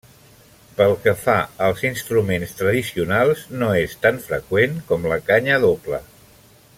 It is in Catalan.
Pel que fa als instruments tradicionals no és tan freqüent com la canya doble.